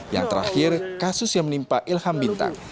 yang terakhir kasus yang menimpa ilham bintang